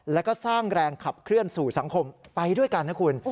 แล้วก็สร้างแรงขับเคลื่อนสู่สังคมไปด้วยกันนะคุณ